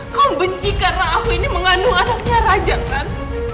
kau benci karena aku ini mengandung anaknya raja kan